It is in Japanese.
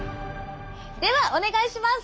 ではお願いします。